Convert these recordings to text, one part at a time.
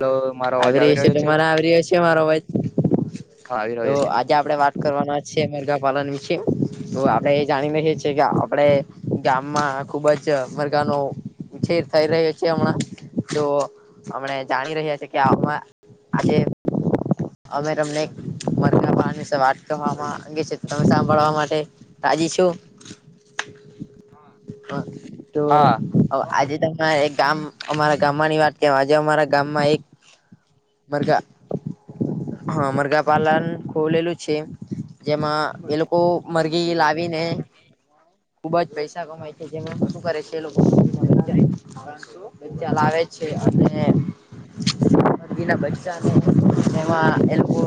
Hello મારો અવાજ આવી ર‌ઇ છે રહ્યો તો મારા આવી રે આવી મારો આવાજ હા આવી તો રહ્યો છે આજે આપડે વાત કરવાના છી મરઘા પાલન વિશે તો આપડે જાણી લકીએ છીએ કે આપણેે ગામમાં ખુબ જ મરઘાનો છે થઈ રહ્યો છે હમણાં તો અમને જાણી રહ્યા છેીએ કે આમાં આજે અમે તમને મ વાત કરવામાં અંગે છે તમે સાંભળવા માટે રાજી છો હા હ તો હા આજે તમારે એ ગામ અમારા ગામમાંની વાત કે આજે અમારા ગામમાં એક મરઘા હા મરઘા પાલન ખોલેલું છે જેમાં એ લોકો મરઘી લાવીને ખુબ જ પૈસા ય છે જે શું કરે છે આવે છે [inaudible] તે મરઘી ને મરઘી ના બચ્ચા ને એમાં એ લોકો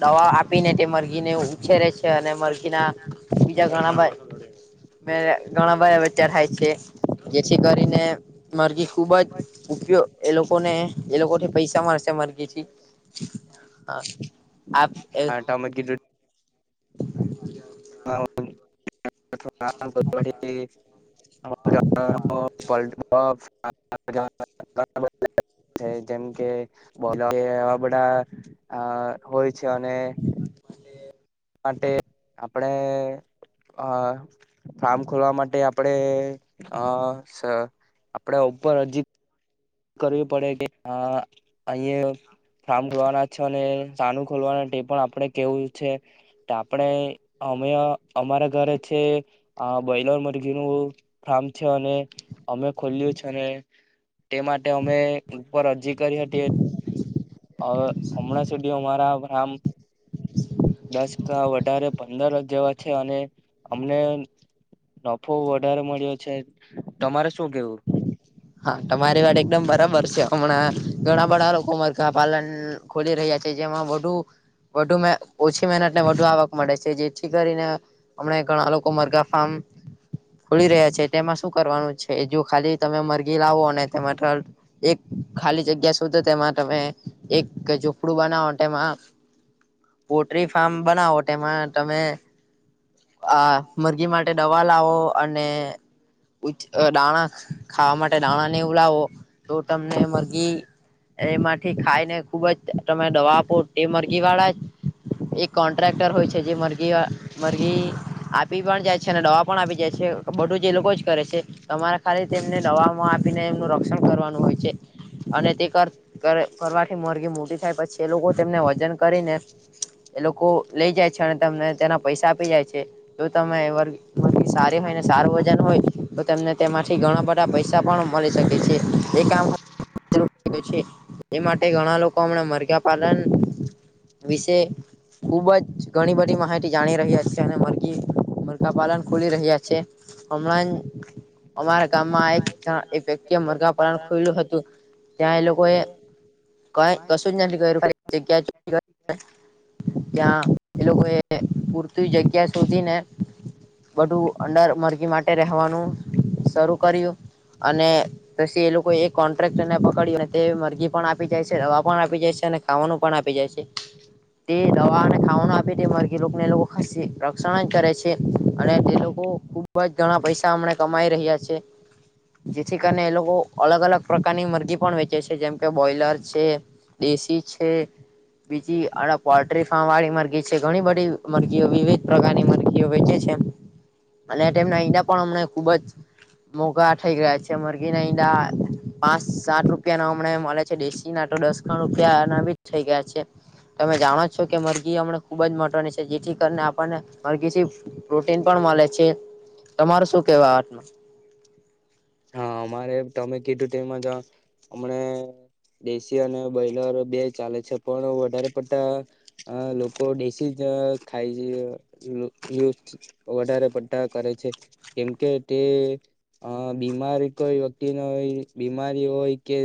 દવા આપીને તે મરઘી ને ઉછેરે છે અને મરઘીના બીજા ઘણા [unintelligible] મે ઘણા બધા બચ્ચા થાય છે જેથી કરીને મરઘી ખુબ જ ઉપયોગ એ લોકોને એ લોકોને પૈસા મળશે મરઘીથી આપ અ હા, તમે કીધું [inaudible] [inaudible] છે જેમ કે, બોલો કે એવા બધા અ હોય છે, અને માટે, આપડે હ ફાર્મ ખોલવા માટે આપડે અ સ આપડે ઉપર અરજી કરવી પડે કે હા, અહીંયા ફાર્મ ખોલવાના છે અને સાનું ખોલવાના તે પણ આપણે કેવું છે ત આપણે અમે અમારા ઘરે છે, બોઈલર મરઘીનું ફાર્મ છે, અને અમે ખોલ્યું છે અને, તે માટે અમે ઉપર અરજી કરી હતી અ હમણાં સુધી અમારા આમ દસ ક વધારે પંદર જેવા છે, અને અમને નફો વધારે મળ્યો છે, તમારે શું કેવું? હા, તમારી વાત એકદમ બરાબર છે અમણાં ઘણા બધા લોકો મરઘા પાલન ખોલી રહ્યા છે જેમાં વધુ વધુ ઓછી મહેનતને વધુ આવક મળે છે જેથી કરીને અમણા ઘણા લોકો મરઘા ફાર્મ ખોલી રહ્યા છે તેમાં શું કરવાનું છે જો ખાલી તમે મર ઘી લાવો અને તે એક ખાલી જગ્યા શોધો તેમાં તમે એક ઝૂંપડું બા તેમાં પોટ્રી ફાર્મ બનાવો તેમાં તમે આ મરઘી માટે દવા લાવો અને દાણા ખાવા માટે દાણા ને એવું લાવો તો તમને મરઘી એમાંથી ખાઈને ખુબ જ તમે દવા આપો તે મરઘી વાળા જ એ કો નટ્રાક્ટર હોય છે જે મર્ગી એ આપી પણ જાય છે અને દવા પણ આપી જાય છે બધું જ એ લોકો જ કરે છે તમારે ખાલી તેમને દવામાં આપીને એમનું રક્ષણ કરવાનું હોય છે. અને તે કર કરવાથી મોરઘી મોટી થાય પછી એ લોકો તેમને વજન કરીને એ લોકો લઈ જાય છે અને તમને તેના પૈસા જાય છે તો તમે મર મરઘી સારી હોયને સારું વજન હોય તો તેમને તેમાંથી ઘણા બધા પૈસા પણ મળી શકે છે એ કામ છે એ માટે ઘણા લોકો હમણાં મરઘા પાલન વિશે ખુબ જ ઘણી બધી માહિતી જાણી રહ્યા છે. અને મરઘી મરઘા પાલન ખુલી રહ્યા છે હમણાં જ અમારા ગામમાં એક જણ એક વ્યક્તિએ મરઘા પાલન ખોયલું હતું ત્યાં એ લોકોએ કઈ કશું જ નથી કર્યુ ખાલી જગ્યા ત્યાં એ લોકોએ પૂરતી જગ્યા શોધીને બઢું અંડર મર માટે રહેવાનું શરૂ કર્યું. અને પછી એ લોકો એક કોન્ટ્રાક્ટર ને પકડયો ને તે મરઘી પણ આપી જાય છે દવા પણ આપી જાય છે ખાવાનું પણ આપી જાય છે તે દવા અને ખાવાનું આપી તે મરઘી લોકને એ લોકો રક્ષણ જ કરે છે અને તે લોકો ખુબ જ ઘણા પૈસા અમણા કમાઈ રહ્યા છે. જેથી કરીને એ લોકો અલગ અલગ પ્રકારની મરઘી પણ વેચે છે જેમ કે બોઈલર છે દેશી છે બીજી આ પોલ્ટ્રી ફાર્મ વાળી મરઘી છે ઘણી બધી મરઘીઓ વિવિધ પ્રકારની મરઘીઓ વેચે છે. અને તેમના ઈંડા પણ અમને ખુબ જ મોંઘા થઇ ગયા છે મરઘી ના ઈંડા પાંચ સાત રૂપિયા નો હમણાં મળે છે દેશી ના તો દસ ખણ રૂપિયા ના બી જ થઈ ગયા છે. તમે જાણો છો કે મરઘી અમણે ખુબ જ મહત્વની છે. જેથી કરીને આપણને મરઘીથી પ્રોટીન પણ મલે છે. તમારું શું કેવાય આટનું હા અમારે તમે કીધુ તેમ જ આમણે દેશી અને બોઈલર બે ચાલે છે પણ વધારે પડતા લોકો દેશીજ ખાઇ જે વધારે પડતા કરે છે કેમ કે તે કે અ બીમારી કોઈ વ્યક્તિ ન હોય બીમારી હોય કે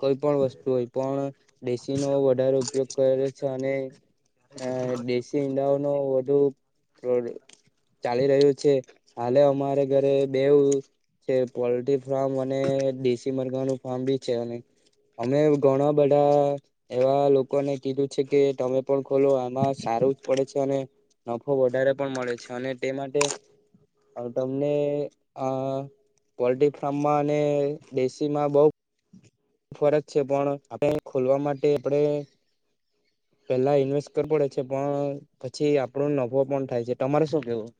કોઈ પણ વસ્તુ હોય પણ દેશીનોો વધારે ઉપયોગ કરે છે અને અ દેશી ઈંડાઓ નોવધુ તો ચાલી રહ્યું છે હાલે અમારે ઘરે બેવ પોલ્ટ્રી ફાર્મ અને દેશી મરગાનું ફાર્મ બી છે અને અમે ઘણા બધા એવા લોકોને કીધું છે કે તમે પણ ખોલો આમાં સારું જ પડે છે અને નફો વધારે પણ મળે છે અને તે માટે તમને આ પોલ્ટ્રી ફાર્મમાં અને દેશીમાં બઉ બ ફરજ છે પણ આપણે ખોલવા માટે આપણે પેલા ઇન્વેસ્ટ કરવવી પડે છે પણ પછી આપણો નફો પણ થાય છે તમારે શું કેવું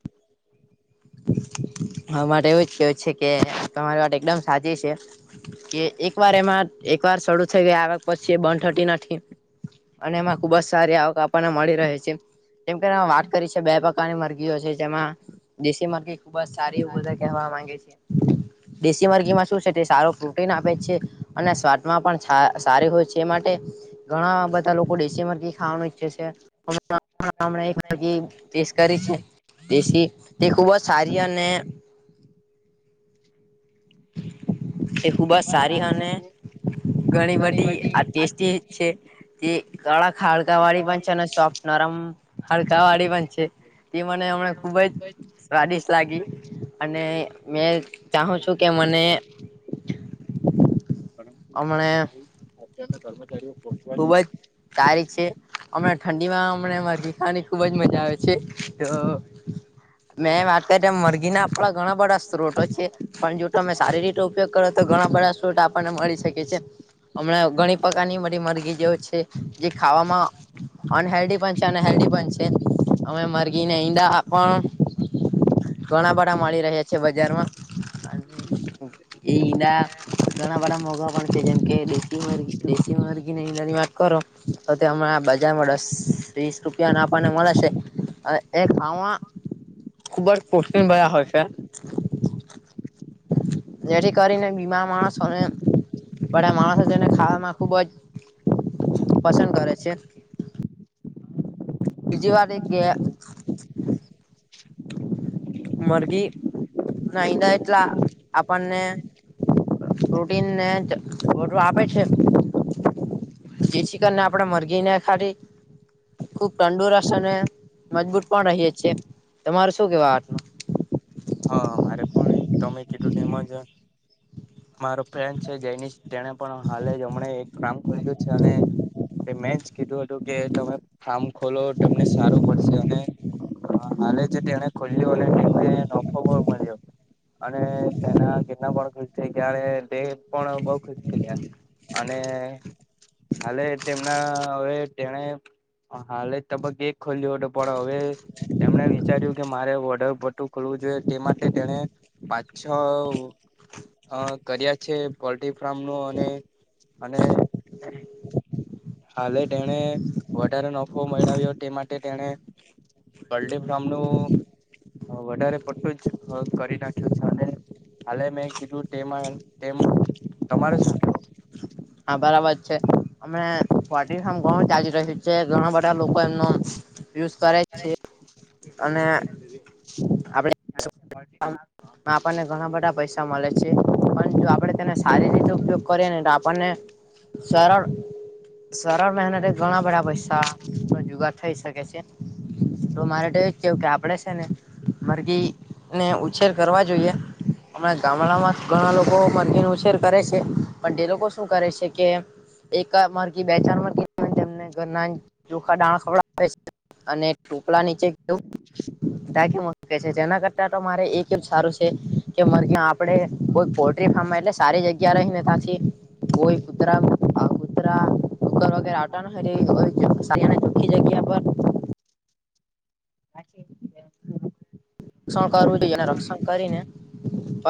હા માટેરે એવું જ કેવું છે કે તમારી માટે એકદમ સાચી છે કે એક વાર એમાં એક વાર શરૂ થઈ ગયા આક પછી એ બંધટી નથી અને એમાં ખુબ જ સારી આવક આપણને મળી રહે છે જેમ કે વાત કરી છે બે પ્રકારની મરઘીઓ છે જેમાં દેશી મરઘી ખુબ જ સારી એવું બધા કવા માંગે છે દેશી મરઘીમાં શું છે તે સારો પ્રોટીન આપે છે અને સ્વાદમાં પણ સારી હોય છે માટે ઘણા બધા લોકો દેશીમાંથી ખાવાનું ઈચ્છે છે મણા એક વા સ કરી છે દેશ એ ખૂબ સારી અને એ ખુબ સારી અનેને ઘણી બધી આ ટેસ્ટી છે તે કડાક હાડકા વાળી પણ છે સોફ્ટ નરમ ખડકાવાળી પણ છે તે મને હમણાં ખૂબ જ સ્વાદિષ્ટ લાગી અને મેં ચહું છું તે પરંતુ સહાય અત્યારના કર્મચારી પોહોચવા ખુબ જ સારી નથી છે. હમણાં ઠંડીમાં હમણાં મરઘી ખાવાની ખુબ જ મજા આવે છે તો મેં માતાટ મોર્ગ ગીના આપડા ઘણા બધા સ્ત્રોતો છે પણ જો તમે સારી રીતે ઉપયોગ કરો તો ઘણા બધા સ્ત્રોત આપણને મળી છે છે હમણાં ઘણી પ્રકાર ની મળી મરઘી જે છે જે ખાવામાં અનહેલ્ધ પણ છે અને હેલ્ધ પણ છે અમે મરગીને ઈંડા પણ ઘણા બધા મળી રહ્યા છે બજારમાં એ ઈંડા ઘણા બધા મોઘા પણ છે જેમકે દેશી મરઘી ર ની વાત કરો તો તે હમણાં બજારમાં દસ વીસ રૂપિયા ના આપણને મળે છે હ એ ગવામાં ખુબ આ પોસ્ટિંગ ભયા હ છે જેથી કરીને બીમા માણસોને પણ આ માણસો તેને ખાવામાં ખુબ જ પસંદ કરે છે બીજી વાત એજ કે મરઘી ના ઈંડાએટલા આપણને પ્રોટીન નેજ આપે છે જેથી કરીને આપણેે મરઘીને ખાલી ખુબ તંદુરસ્ત અને મજબૂત પણ રહીએ છીએ તમારું શું કેવા વાતનું હા મારે પણ તમે કેટલું તેમજ મારો ફ્રેન્ડ છે જની તેણે પણ હાલે જ હમણે એક કામ કર્યું છે અને મેં જ કીધું હતું કે તમે ફાર્મ ખોલો તમને સારું મળશે અને હા હાલે જે તેને ખોલ્યો અને નફો પણ મળ્યો અને તેના કેટના પણ ખુશ થ ત્યારે બે પણ બઉ ખુશ થ ગં અને હાલે તેમના હવે તેને હાલે તબક્ એ ખોલ્લી ઓટ પણ હવે એમણે વિચાર્યું કે મારે ઓર્ડર પટું ખોલવું જોઈએ તે માટે તેને પાંચ-છ અ કર્યા છે પોલ્ટ્રી ફાર્મનું અને અને હાલે તેણે વધારે નફો મળાવ્યો તે માટે તેણે કલ્ડી ફ્રોમનું વધારે પટતું જ હ કરી નાખ્યું છ અને હાલે મેં કીધું તેમાં તેમ તમારે શું કેવું? હા બરાબર છે, અમે [unintelligible] પણ ચાલી રહ્યું છે. ઘણા બધા લોકો એમનું યુઝ કરે છે અને આપડે [inaudible] [inaudible] આપણને ઘણા બધા પૈસા મળે છે પણ જો આપણે તેનો સારી રીતે ઉપયોગ કરીએ ને તો આપણને સરળ સરળ મહેનતે ઘણા બધા પૈસાનો જુગાર થઈ શકે છે. તો મારે તો એ જ કેવું કે આપડે છે ને મર્ઘી ને ઉ ઉછેર કરવા જોઈએ હમણાં ગામડામાં ઘણા લોકો મર્ઘીનો ઉછેર કરે છે પણ તે લોકો શું કરે છે કે એક મરઘી [inaudible] ઘરના ચોખા દાણા ખવડાવે છે અને ટોપલા નીચે [unintelligible] જેના કરતા તો મારે એક એ સારું છે કે મરઘી આપડે કોઈ પોલ્ટ્રી ફાર્મમાં એટલે સારી જગ્યા રહીને પાછી કોઈ કુતરા [inaudible] કુતરા [unintelligible] [inaudible] [inaudible] રક્ષણ કરવું જોઈએ અને રક્ષણ કરીને પ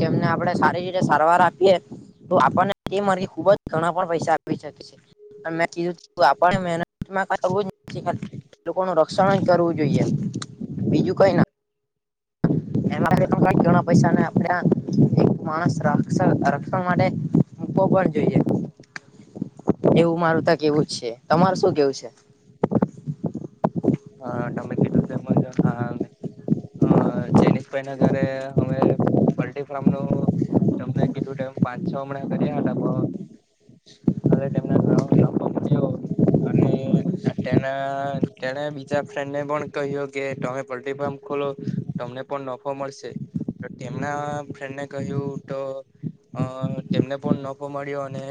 તેમને આપડે સારી રીતે સારવાર આપીએ તો આપણને એ મરઘી ખુબ જ ઘણા પણ પૈસા આપ શકસે. મેં કીધું તું આ [inaudible] લોકો ન રક્ષણ જ કરવું જોઈએ બિજુ કાય ના [inaudible] એ [inaudible] પૈસા ને આપણે આ એક માણસ રાક્સ-રક્ષણ માટે [unintelligible] પણ જોઈએ.. એવું મારું તા કેવું છે, તમાર શું કેવું છે? અ-અ ચઇનીઝ ફઈ ના ઘરે હવે પલ્ટી ફાર્મ નું તમને કેટલું ટાઈમ પાંચ છ હમણાં કર્યા હતા પણ હલે તેમના ન [unintelligible] જીઓ અને તેના-આ તેણે બીજા ફ્રેન્ડને પણ કહ્યું કે તમે પોલ્ટ્રી ફાર્મ ખોલો તમને પણ નફો મળશે. તેમના ફ્રેન્ડને કહ્યું તો અ તેમને પણ નફો મળ્યો અને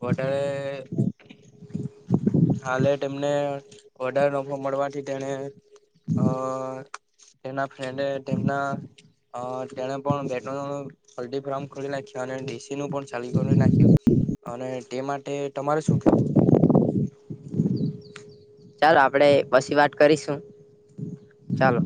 વધારે હાલે તેમને વધારે નફો મળવાથી તેને અ તેના ફ્રેન્ડે તેમના અ તેણે પણ [unintelligible] પોલ્ટ્રી ફ્રોમ ખોલી નાખ્યા અને ડીસી નું પણ ચાલુ કરી નાખ્યું. અને તે માટે તમારે શું કેવું? [inaudible] [inaudible] ચાલો આપડે પસી વાત કરીશું ચાલો.